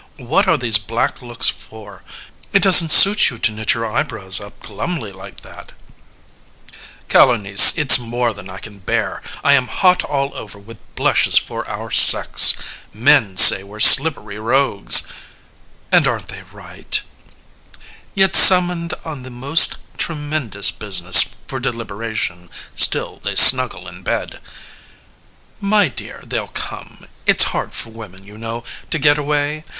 What are these black looks for? It doesn't suit you To knit your eyebrows up glumly like that. LYSISTRATA Calonice, it's more than I can bear, I am hot all over with blushes for our sex. Men say we're slippery rogues CALONICE And aren't they right? LYSISTRATA Yet summoned on the most tremendous business For deliberation, still they snuggle in bed. CALONICE My dear, they'll come. It's hard for women, you know, To get away.